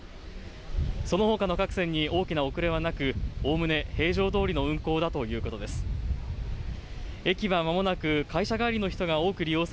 そのほかの各線に大きな遅れはなく、おおむね平常どおりの運行だということです。